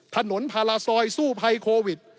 ถนนพาราซอยสู้ภัยโควิด